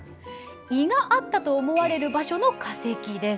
胃があったと思われる場所の化石です。